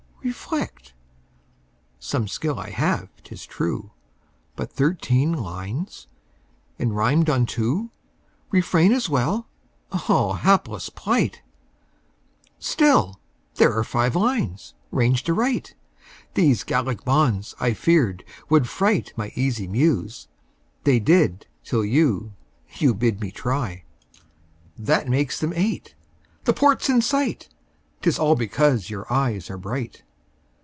Reflect. Some skill I have, 'tis true; But thirteen lines! and rimed on two! "Refrain" as well. Ah, Hapless plight! Still, there are five lines ranged aright. These Gallic bonds, I feared, would fright My easy Muse. They did, till you You bid me try! That makes them eight. The port's in sight 'Tis all because your eyes are bright!